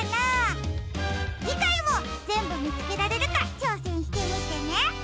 じかいもぜんぶみつけられるかちょうせんしてみてね！